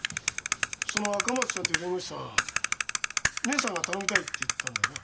その赤松さんっていう弁護士さん義姉さんが頼みたいって言ったんだよな。